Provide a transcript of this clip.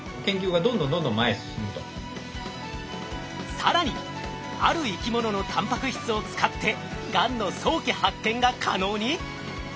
更にある生き物のタンパク質を使ってがんの早期発見が可能に！？